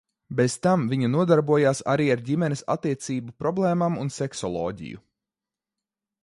Bez tam viņa nodarbojās arī ar ģimenes attiecību problēmām un seksoloģiju.